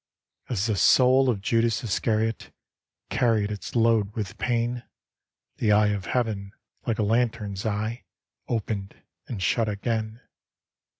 As the soul of Judas Iscariot Carried its load with pain, The Eye of Heaven, like a lantern's eye, Opened and shut again.